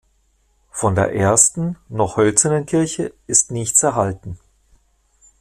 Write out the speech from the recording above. Von der ersten, noch hölzernen Kirche ist nichts erhalten.